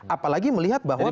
apalagi melihat bahwa